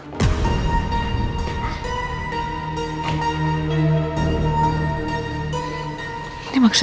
nindi nanya sama rena